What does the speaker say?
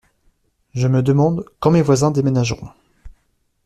Je me demande quand mes voisins déménageront.